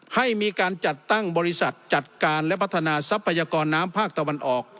ให้มีการจัดตั้งบริษัทจัดการและพัฒนาทรัพยากรน้ำภาคตะวันออก